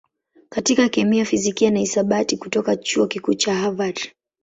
katika kemia, fizikia na hisabati kutoka Chuo Kikuu cha Harvard.